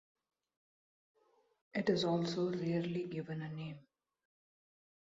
It is also rarely a given name.